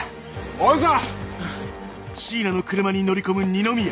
追うぞ！